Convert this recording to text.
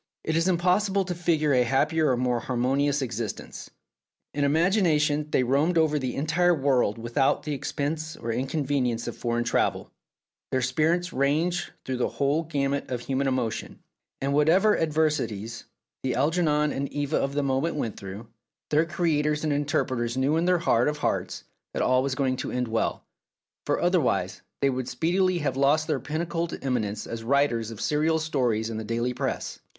It is impossible to figure a happier or a more har monious existence. In imagination they roamed over the entire world without the expense or incon venience of foreign travel : their spirits ranged through the whole gamut of human emotion, and whatever adversities the Algernon and Eva of the moment went through, their creators and interpreters knew in their heart of hearts that all was going to end well, for otherwise they would speedily have lost their pinnacled eminence as writers of serial stories in the daily press.